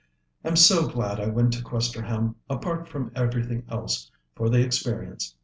"I'm so glad I went to Questerham, apart from everything else, for the experience.